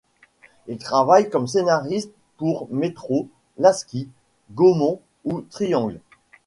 Il travaille comme scénariste pour Metro, Lasky, Gaumont ou Triangle.